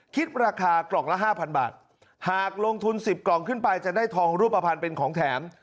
คิดราคากล่องละห้าพันบาทหากลงทุน๑๐กล่องขึ้นไปจะได้ทองรูปภัณฑ์เป็นของแถม